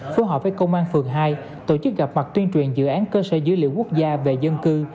phù hợp với công an phường hai tổ chức gặp mặt tuyên truyền dự án cơ sở dữ liệu quốc gia về dân cư